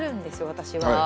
私は。